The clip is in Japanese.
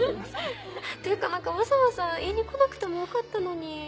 というか何かわざわざ言いに来なくてもよかったのに。